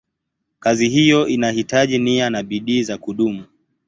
Kazi hiyo inahitaji nia na bidii za kudumu.